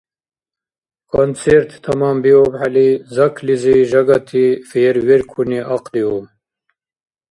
Концерт таманбиубхӀели, заклизи жагати фейерверкуни ахъдиуб.